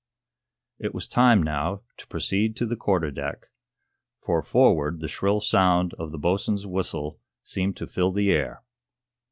It was time, now, to proceed to the quarterdeck; for, forward, the shrill sound of the boatswain's whistle seemed to fill the air.